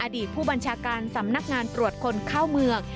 อดีตผู้บัญชาการสำนักงานตรวจคนเข้าเมือง